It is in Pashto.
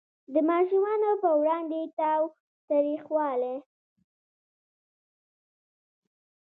د ماشومانو په وړاندې تاوتریخوالی